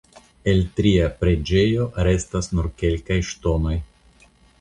El tria preĝejo restas nur kelkaj ŝtonoj.